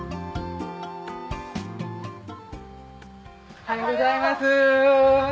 おはようございます。